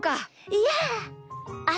いやあ。